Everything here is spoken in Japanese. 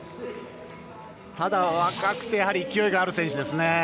ただ、若くて勢いがある選手です。